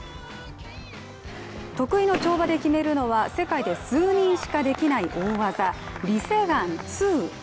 得意の跳馬で決めるのは世界で数人しかできない大技、リセガン２。